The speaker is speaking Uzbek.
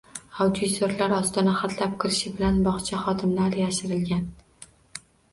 Auditorlar ostona xatlab kirishi bilan bogʻcha xodimlari yashirilgan